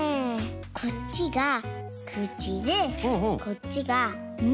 こっちがくちでこっちがめ！